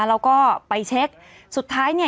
แล้วก็ไปเช็คสุดท้ายเนี่ย